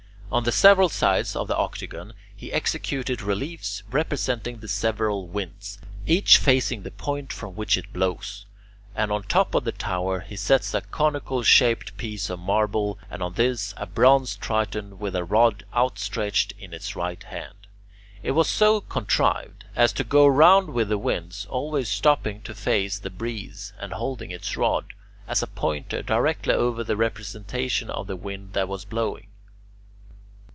On the several sides of the octagon he executed reliefs representing the several winds, each facing the point from which it blows; and on top of the tower he set a conical shaped piece of marble and on this a bronze Triton with a rod outstretched in its right hand. It was so contrived as to go round with the wind, always stopping to face the breeze and holding its rod as a pointer directly over the representation of the wind that was blowing.